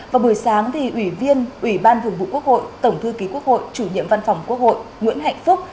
vào buổi sáng ủy viên ủy ban thường vụ quốc hội tổng thư ký quốc hội chủ nhiệm văn phòng quốc hội nguyễn hạnh phúc